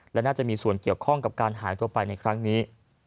และน่าจะมีส่วนเกี่ยวข้องกับการหายตัวไปในครั้งนี้